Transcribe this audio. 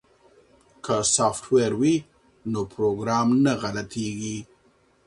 که سافټویر وي نو پروګرام نه غلطیږي.